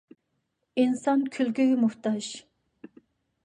ئىنسان كۈلكىگە موھتاج.